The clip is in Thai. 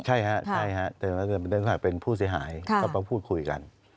ใช่ครับใช่ครับเป็นผู้เสียหายเขามาพูดคุยกัน